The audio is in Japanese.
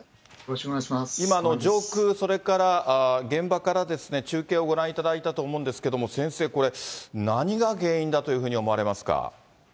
今、上空、それから現場からですね、中継をご覧いただいたと思うんですけれども、先生、これ、何が原因だというふうに思われますか。